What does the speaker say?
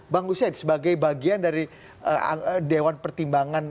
bang hussein sebagai bagian dari dewan pertimbangan